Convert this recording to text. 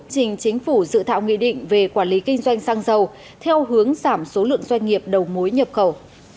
trình chính phủ dự thảo nghị định về quản lý kinh doanh xăng dầu theo hướng giảm số lượng doanh nghiệp đầu mối nhập khẩu